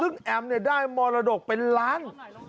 ซึ่งแอมได้มรดกเป็นล้าน